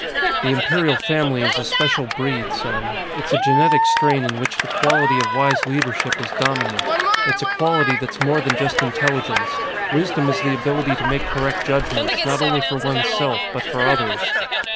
"The Imperial Family is a special breed, son. It's a genetic strain in which the quality of wise leadership is dominant. It's a quality that's more than just intelligence; wisdom is the ability to make correct judgments, not only for one's self, but for others."